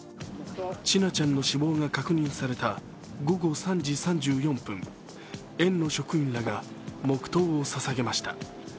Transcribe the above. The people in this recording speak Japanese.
千奈ちゃんの死亡が確認された午後３時３４分、園の職員らが黙とうを捧げました。